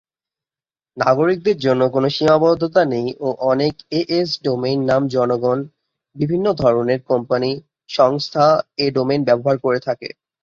নাগরিকদের জন্য কোন সীমাবদ্ধতা নেই ও অনেক এএস ডোমেইন নাম জনগণ, বিভিন্ন ধরনের কম্পানি, সংস্থা এ ডোমেইন ব্যবহার করে থাকে।